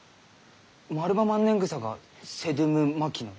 マルバマンネングサがセドゥム・マキノイ？